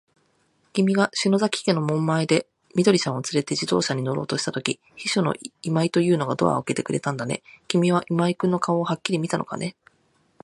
きみが篠崎家の門前で、緑ちゃんをつれて自動車に乗ろうとしたとき、秘書の今井というのがドアをあけてくれたんだね。きみは今井君の顔をはっきり見たのかね。